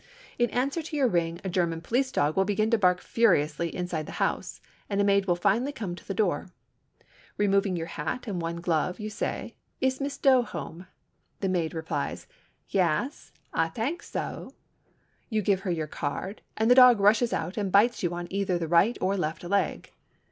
In answer to your ring a German police dog will begin to bark furiously inside the house, and a maid will finally come to the door. Removing your hat and one glove, you say, "Is Miss Doe home?" The maid replies, "Yass, ay tank so." You give her your card and the dog rushes out and bites you on either the right or left leg.